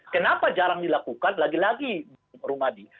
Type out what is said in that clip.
kenapa jarang dilakukan lagi lagi rumadi